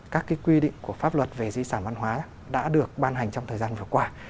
các quy định của pháp luật về di sản văn hóa đã được ban hành trong thời gian vừa qua